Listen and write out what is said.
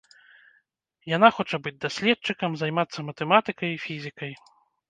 Яна хоча быць даследчыкам, займацца матэматыкай і фізікай.